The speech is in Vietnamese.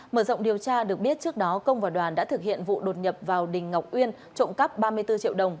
mở rộng điều tra được biết trước đó công và đoàn đã thực hiện vụ đột nhập vào đình ngọc uyên trộm cắp ba mươi bốn triệu đồng